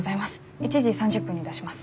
１時３０分に出します。